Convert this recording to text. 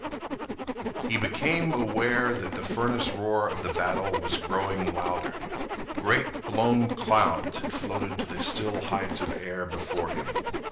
He became aware that the furnace roar of the battle was growing louder. Great blown clouds had floated to the still heights of air before him.